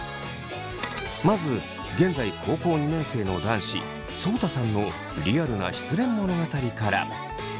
まず現在高校２年生の男子そうたさんのリアルな失恋物語から。